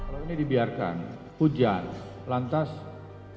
kalau ini dibiarkan hujan lantas